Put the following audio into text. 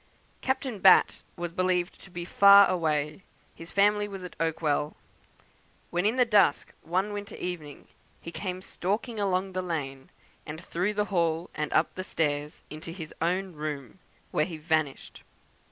Captain Batt was believed to be far away; his family was at Oakwell; when in the dusk, one winter evening, he came stalking along the lane, and through the hall, and up the stairs, into his own room, where he vanished.